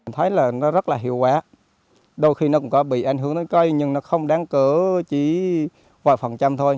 thấy là nó rất là hiệu quả đôi khi nó cũng có bị ảnh hưởng đến cây nhưng nó không đáng cỡ chỉ vài phần trăm thôi